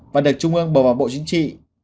và được trung ương bầu vào bộ chính trị